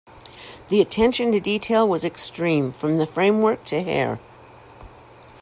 The attention to detail was extreme, from the framework to hair.